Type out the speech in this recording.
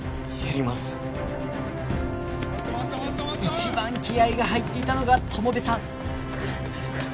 一番気合が入っていたのが友部さん